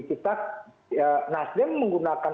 kita nasden menggunakan